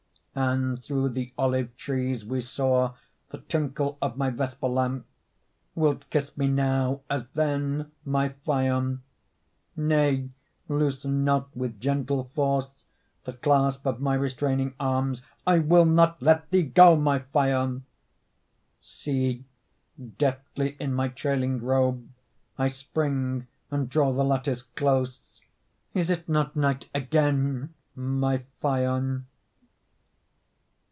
And through the olive trees we saw The twinkle of my vesper lamp; Wilt kiss me now as then, my Phaon? Nay, loosen not with gentle force The clasp of my restraining arms; I will not let thee go, my Phaon! See, deftly in my trailing robe I spring and draw the lattice close; Is it not night again, my Phaon?